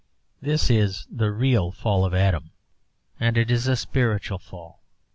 This is the real fall of Adam, and it is a spiritual fall.